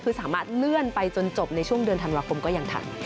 คือสามารถเลื่อนไปจนจบในช่วงเดือนธันวาคมก็ยังทัน